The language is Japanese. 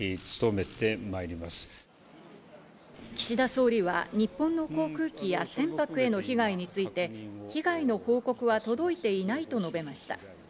岸田総理は日本の航空機や船舶への被害について、被害の報告は届いていないと述べました。